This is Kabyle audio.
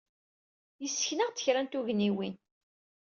Yessken-aɣ-d kra n tugniwin.